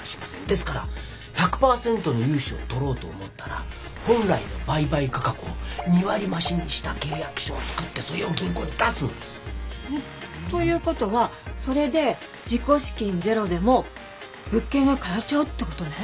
ですから１００パーセントの融資を取ろうと思ったら本来の売買価格を２割増しにした契約書を作ってそれを銀行に出すんです。という事はそれで自己資金ゼロでも物件が買えちゃうって事ね？